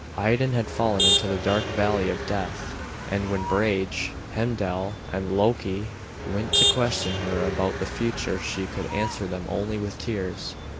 Idun had fallen into the dark valley of death, and when Brage, Heimdal, and Loki went to question her about the future she could answer them only with tears.